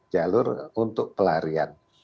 jalur untuk pelarian